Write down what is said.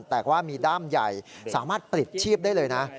แต่ว่ามีด้ามใหญ่สามารถปลิดชีพได้เลยนะ